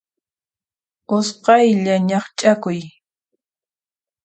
Usqhaylla ñaqch'akuy.